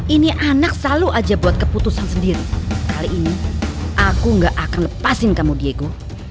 ini anak selalu aja buat keputusan sendiri kali ini aku gak akan lepasin kamu diego